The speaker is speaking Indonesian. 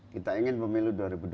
kita ingin pemilu dua ribu dua puluh